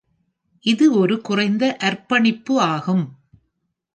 இது ஒரு குறைந்த அர்ப்பணிப்பு ஆகும்.